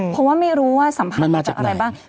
เพราะว่าไม่รู้ว่าสัมผัสจะอะไรบ้าง